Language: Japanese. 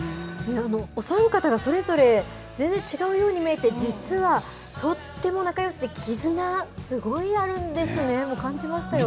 お三方がそれぞれ全然違うように見えて、実はとっても仲よしで絆、すごいあるんですね、感じましたよ。